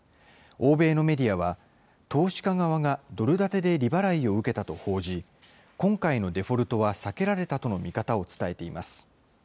欧米のメディアは、投資家側がドル建てで利払いを受けたと報じ、今回のデフォルトは避けられたとの見方を伝えています。